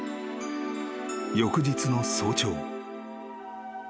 ［翌日の早朝］